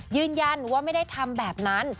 ยืนยันว่าไม่ได้ทำแบบนั้น